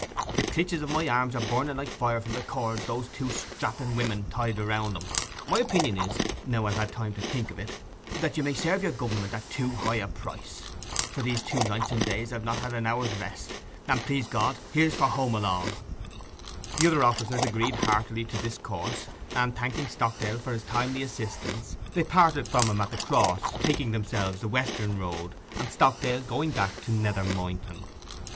The clitches of my arms are burning like fire from the cords those two strapping women tied round 'em. My opinion is, now I have had time to think o't, that you may serve your Gover'ment at too high a price. For these two nights and days I have not had an hour's rest; and, please God, here's for home along.' The other officers agreed heartily to this course; and, thanking Stockdale for his timely assistance, they parted from him at the Cross, taking themselves the western road, and Stockdale going back to Nether Moynton.